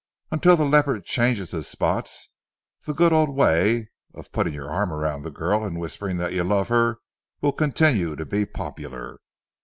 Until the leopard changes his spots, the good old way, of putting your arm around the girl and whispering that you love her, will continue to be popular.